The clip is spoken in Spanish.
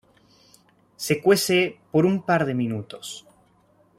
Se cuece por un par de minutos.